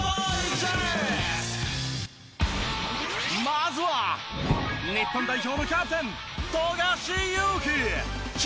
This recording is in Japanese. まずは日本代表のキャプテン。